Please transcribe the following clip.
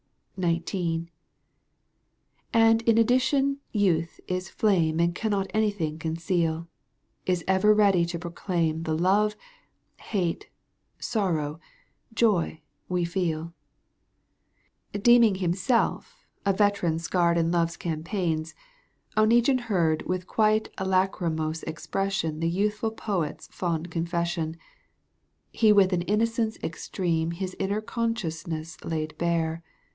XIX. And in addition youth is flame And cannot anything conceal, Is ever ready to proclaim The love, hate, sorrow, joy, we feel. Deeming himself a veteran scarred In love's campaigns Oneguine heard With quite a lachrymose expression The youthful poet's fond confession. He with an innocence extreme His inner consciousness laid bare.